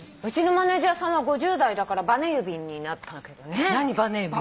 うちのマネジャーさんは５０代だからばね指になったけどね。